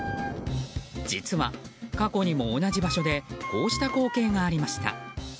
実は、過去にも同じ場所でこうした光景がありました。